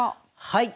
はい！